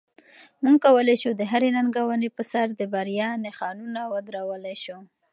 موږ کولی شو د هرې ننګونې په سر د بریا نښانونه ودرولای شو.